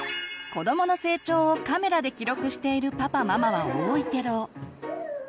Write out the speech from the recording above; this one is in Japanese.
子どもの成長をカメラで記録しているパパママは多いけど。